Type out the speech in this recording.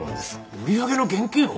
売り上げの現金を？